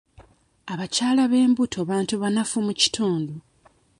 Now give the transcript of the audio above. Abakyala b'embuto bantu abanafu mu kitundu.